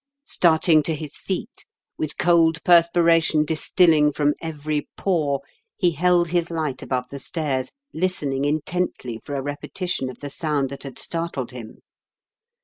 Starting to his feet, with cold perspiration distilling from every pore, he held his light above the stairs, listening intently for a repeti tion of the sound that had startled him.